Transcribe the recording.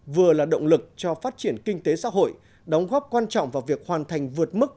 vừa là động lực cho phát triển kinh tế xã hội đóng góp quan trọng vào việc hoàn thành vượt mức